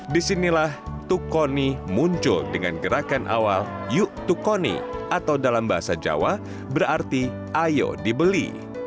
disinilah tukoni muncul dengan gerakan awal yuk tukoni atau dalam bahasa jawa berarti ayo dibeli